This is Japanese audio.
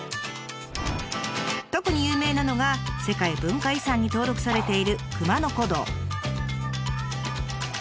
特に有名なのが世界文化遺産に登録されている熊野古道。